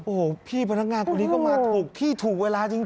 โอ้โหพี่พนักงานคนนี้ก็มาถูกที่ถูกเวลาจริง